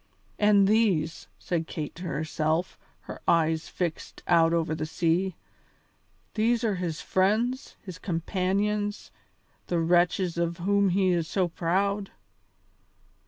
"And these," said Kate to herself, her eyes fixed out over the sea, "these are his friends, his companions, the wretches of whom he is so proud."